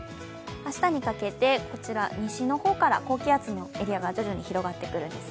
明日にかけて、こちら西の方から高気圧のエリアが徐々に広がってくるんです。